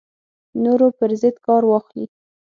نورو پر ضد کار واخلي